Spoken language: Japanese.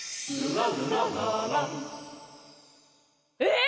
え！